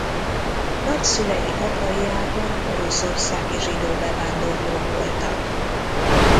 Nagyszülei apai ágon oroszországi zsidó bevándorlók voltak.